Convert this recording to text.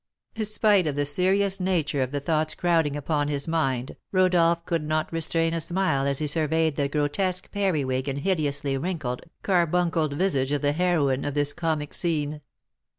'" Spite of the serious nature of the thoughts crowding upon his mind, Rodolph could not restrain a smile as he surveyed the grotesque periwig and hideously wrinkled, carbuncled visage of the heroine of this comic scene.